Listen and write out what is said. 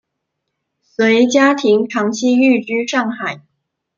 随家庭长期寓居上海。